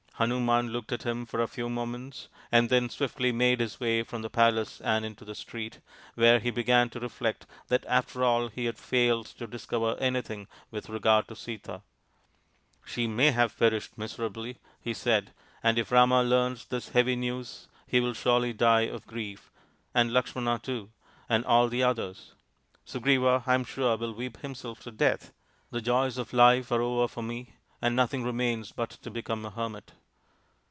Hanuman looked at him for a few moments and then swiftly made his way from the palace and into the street, where he began to reflect that after all he had failed to discover any thing with regard to Sita. " She may have perished miserably," he said, " and if Rama learns this heavy news he will surely die of grief, and Lakshmana too and all the others. Sugriva, I am sure, will weep himself to death. The joys of life are over for me, and nothing remains but to become a hermit."